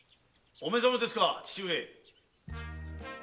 お目覚めですか？